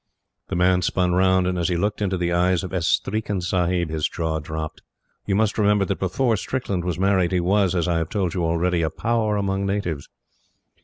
The man spun round, and, as he looked into the eyes of "Estreeken Sahib," his jaw dropped. You must remember that before Strickland was married, he was, as I have told you already, a power among natives.